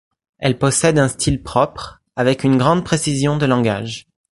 Elle possède un style propre, avec une grande précision de langage.